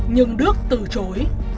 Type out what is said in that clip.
nhưng đức từ chối